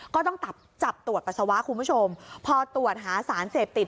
ก็ต้องจับตรวจปัสสาวะคุณผู้ชมพอตรวจหาสารเสพติด